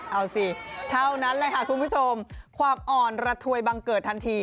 เอาสิเท่านั้นแหละค่ะคุณผู้ชมความอ่อนระถวยบังเกิดทันที